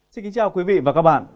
xin kính chào quý vị và các bạn